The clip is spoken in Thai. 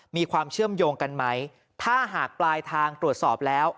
มีความเชื่อมโยงกันไหมถ้าหากปลายทางตรวจสอบแล้ว